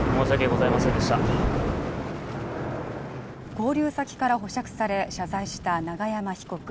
勾留先から保釈され、謝罪した永山被告。